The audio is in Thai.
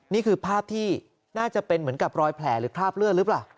นี่คือภาพที่น่าจะเป็นเหมือนกับรอยแผลหรือคราบเลือดหรือเปล่า